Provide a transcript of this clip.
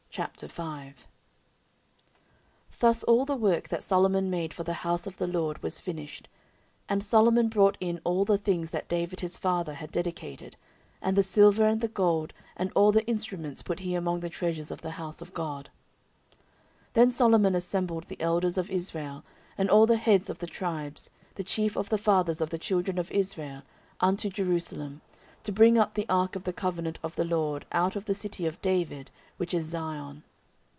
14:005:001 Thus all the work that Solomon made for the house of the LORD was finished: and Solomon brought in all the things that David his father had dedicated; and the silver, and the gold, and all the instruments, put he among the treasures of the house of God. 14:005:002 Then Solomon assembled the elders of Israel, and all the heads of the tribes, the chief of the fathers of the children of Israel, unto Jerusalem, to bring up the ark of the covenant of the LORD out of the city of David, which is Zion.